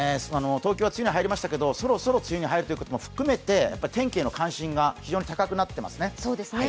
東京は梅雨に入りましたけどそろそろ梅雨に入る所も含めて天気への関心が非常に高くなってますね。